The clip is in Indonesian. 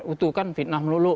itu kan fitnah melulu